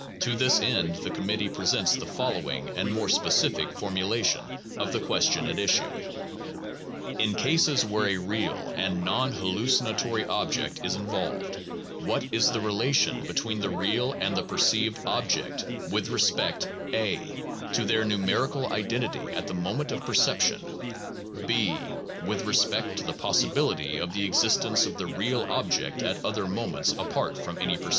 To this end the committee presents the following more specific formulation of the question at issue. In cases where a real {and non hallucinatory) object is involved, what is the relation between the real and the perceived object with respect (a) to their numerical identity at the moment of perception, (b) with respect to the possibility of the existence of the real object at other moments apart from any perception?